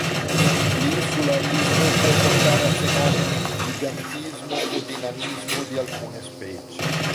L'insularismo può portare a fenomeni di gigantismo o di nanismo di alcune specie.